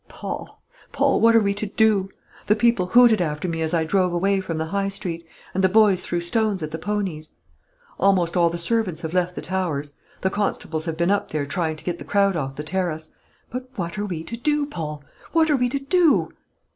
Paul, Paul, what are we to do? The people hooted after me as I drove away from the High Street, and the boys threw stones at the ponies. Almost all the servants have left the Towers. The constables have been up there trying to get the crowd off the terrace. But what are we to do, Paul? what are we to do?"